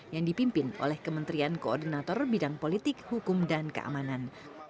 yang dipimpin oleh kementerian koordinator bidang politik hukum dan keamanan